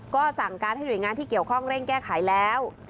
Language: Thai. ก็สั่งการให้หน่วยงานที่เกี่ยวข้องเร่งแก้ไขแล้ว